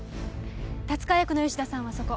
達川役の吉田さんはそこ。